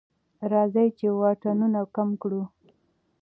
راځئ چې واټنونه کم کړو.